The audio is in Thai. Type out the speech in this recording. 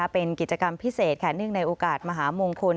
เป็นกิจกรรมพิเศษเนื่องในโอกาสมหามงคล